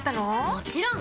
もちろん！